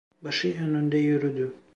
Başı önünde yürüdü.